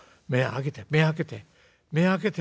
目開けて目開けて。